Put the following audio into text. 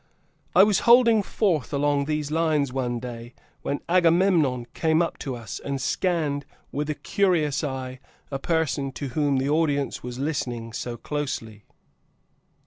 (I was holding forth along these lines one day, when Agamemnon came up to us and scanned with a curious eye a person to whom the audience was listening so closely.)